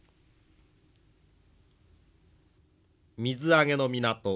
水揚げの港